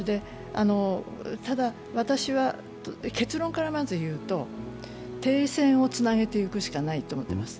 ただ、私は結論からまず言うと停戦をつなげていくしかないと思っています。